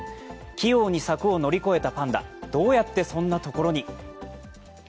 器用に柵を乗り越えたパンダどうやってそんな所に？